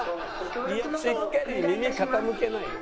しっかり耳傾けないよ。